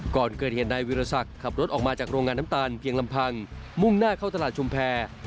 ก่อนเกิดเหตุนายวิรสักขับรถออกมาจากโรงงานน้ำตาลเพียงลำพังมุ่งหน้าเข้าตลาดชุมแพร